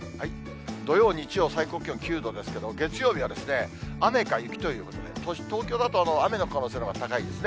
土曜、日曜、最高気温９度ですけど、月曜日は雨か雪ということで、東京だと雨の可能性のほうが高いですね。